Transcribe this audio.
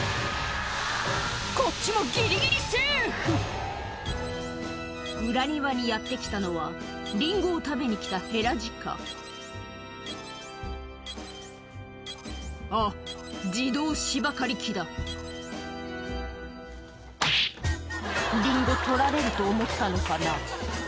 こっちもギリギリセーフ裏庭にやって来たのはリンゴを食べに来たヘラジカあっ自動芝刈り機だリンゴ取られると思ったのかな？